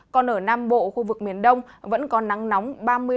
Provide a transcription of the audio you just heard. còn ở nam bộ khu vực miền đông vẫn còn nắng nóng ba mươi năm ba mươi năm